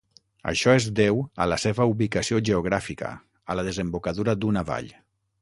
Això es deu a la seva ubicació geogràfica a la desembocadura d'una vall.